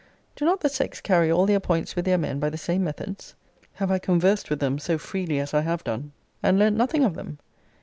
Do not the sex carry all their points with their men by the same methods? Have I conversed with them so freely as I have done, and learnt nothing of them?